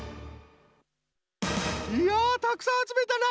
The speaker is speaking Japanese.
いやたくさんあつめたな。